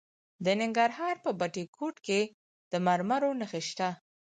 د ننګرهار په بټي کوټ کې د مرمرو نښې شته.